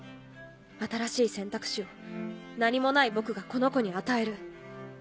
新しい選択肢を何もない僕がこの子に与える。